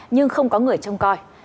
nhưng không có người trông coi